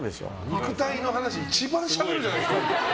肉体の話一番しゃべるじゃないですか。